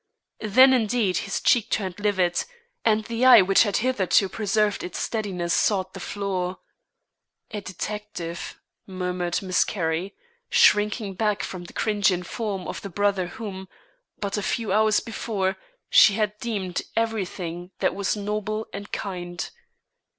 Then indeed his cheek turned livid, and the eye which had hitherto preserved its steadiness sought the floor. "A detective!" murmured Miss Carrie, shrinking back from the cringing form of the brother whom, but a few hours before, she had deemed every thing that was noble and kind.